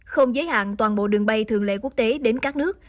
không giới hạn toàn bộ đường bay thường lễ quốc tế đến các nước